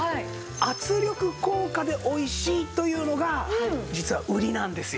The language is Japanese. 圧力効果で美味しいというのが実は売りなんですよ。